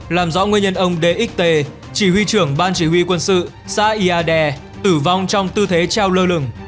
làm rõ nguyên nhân ông dxt chỉ huy trưởng ban chỉ huy quân sự xã iader tử vong trong tư thế treo lơ lửng